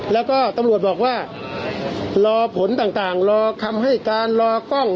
แล้วก็ตำรวจบอกว่ารอผลต่างรอคำให้การรอกล้อง